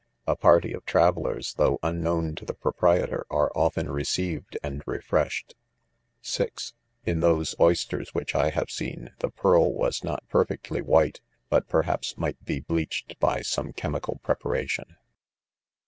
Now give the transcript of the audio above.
A party of travel lers, though unknown to the proprietor, are often recei ved and refreshed* ;■ i ■: (6) In those oysters which I have seen, the pearl was not perfectly White j but, perhaps;, might be bleached by some chemical preparation.